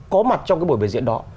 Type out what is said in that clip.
có mặt trong cái buổi biểu diễn đó